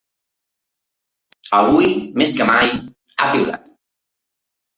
Avui més que mai, ha piulat.